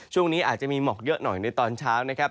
ช่วงนี้อาจจะมีหมอกเยอะหน่อยในตอนเช้านะครับ